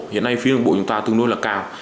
hiện nay phía đường bộ chúng ta tương đối là cao